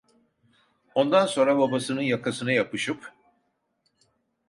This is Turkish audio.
Ondan sonra babasının yakasına yapışıp: